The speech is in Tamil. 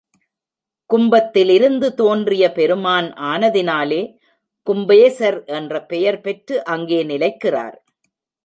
கும்பத்திலிருந்து தோன்றிய பெருமான் ஆனதினாலே கும்பேசர் என்ற பெயர் பெற்று அங்கே நிலைக்கிறார்.